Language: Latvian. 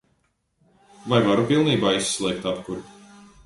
Vai varu pilnībā izslēgt apkuri?